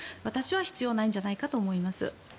私は必要ないんじゃないかと思います。